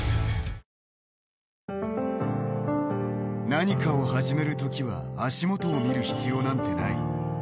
何かを始めるときは足元を見る必要なんてない。